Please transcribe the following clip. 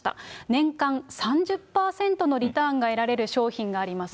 年間３０％のリターンが得られる商品がありますよと。